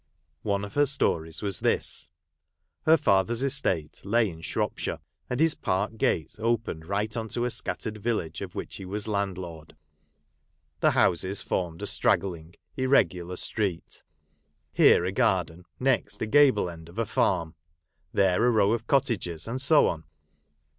One of her stories rwas this :— Her father's estate lay in Shropshire, and his park gates opened right on to a scattered village of which he was land lord. The houses formed a straggling irregular street — here a garden, next a gable end of a farm, there a row of cottages, and so on.